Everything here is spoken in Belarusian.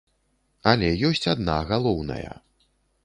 Але ёсць адна галоўная.